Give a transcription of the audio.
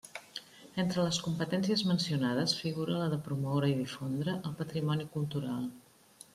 Entre les competències mencionades figura la de promoure i difondre el patrimoni cultural.